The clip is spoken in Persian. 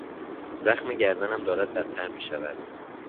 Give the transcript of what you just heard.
زخم گردنم دارد بدتر میشود.